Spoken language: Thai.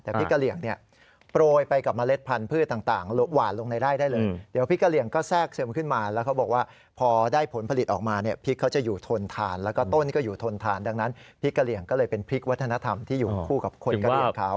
แต่พริกกะเหลี่ยงเนี่ยโปรยไปกับเมล็ดพันธุ์ต่างหวานลงในไร่ได้เลยเดี๋ยวพริกกะเหลี่ยงก็แทรกเสริมขึ้นมาแล้วเขาบอกว่าพอได้ผลผลิตออกมาเนี่ยพริกเขาจะอยู่ทนทานแล้วก็ต้นก็อยู่ทนทานดังนั้นพริกกะเหลี่ยงก็เลยเป็นพริกวัฒนธรรมที่อยู่คู่กับคนกะเหลี่ยงเขา